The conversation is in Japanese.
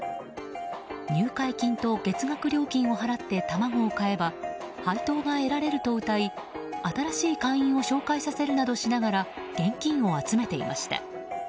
入会金と月額料金を払って卵を買えば配当が得られるとうたい新しい会員を紹介させるなどしながら現金を集めていました。